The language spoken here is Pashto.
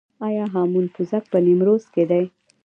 آیا هامون پوزک په نیمروز کې دی؟